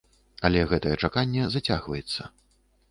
Але гэтае чаканне зацягваецца.